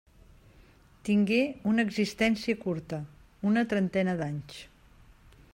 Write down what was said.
Tingué una existència curta: una trentena d'anys.